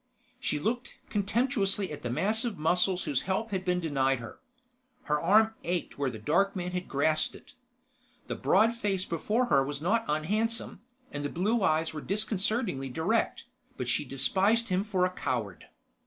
She looked contemptuously at the massive muscles whose help had been denied her. Her arm ached where the dark man had grasped it. The broad face before her was not unhandsome, and the blue eyes were disconcertingly direct, but she despised him for a coward.